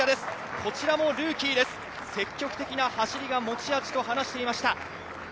こちらもルーキーです、積極的な走りが持ち味と話していました。